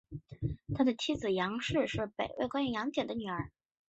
他的妻子杨氏是北魏官员杨俭的女儿。